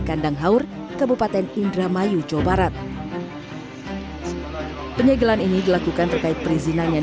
kandang haur kabupaten indramayu jawa barat penyegelan ini dilakukan terkait perizinan yang